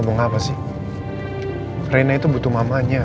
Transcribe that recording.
supaya hak aso rena jatuh ke rumahnya